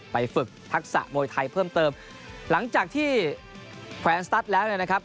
ฝึกทักษะมวยไทยเพิ่มเติมหลังจากที่แขวนสตัสแล้วเนี่ยนะครับ